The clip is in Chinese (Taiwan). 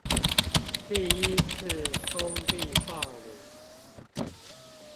第一次公地放領